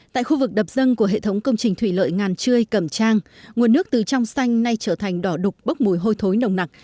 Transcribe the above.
tại khu vực đập dân của hệ thống công trình thủy lợi ngàn trươi cẩm trang nguồn nước từ trong xanh nay trở thành đỏ đục bốc mùi hôi thối nồng nặc